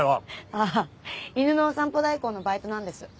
ああ犬のお散歩代行のバイトなんです。